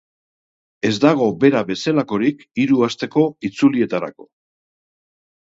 Ez dago bera bezalakorik hiru asteko itzulietarako.